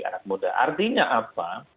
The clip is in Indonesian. anak muda artinya apa